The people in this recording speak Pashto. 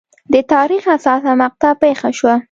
د تاریخ حساسه مقطعه پېښه شوه.